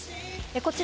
こちら